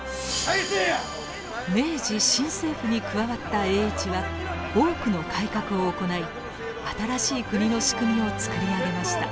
明治新政府に加わった栄一は多くの改革を行い新しい国の仕組みを作り上げました。